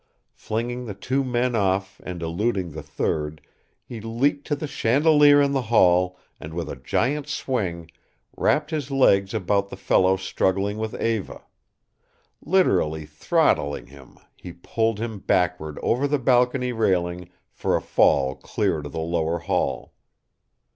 Flinging the two men off and eluding the third, he leaped to the chandelier in the hall and with a giant swing wrapped his legs about the fellow struggling with Eva. Literally throttling him, he pulled him backward over the balcony railing for a fall clear to the lower hall.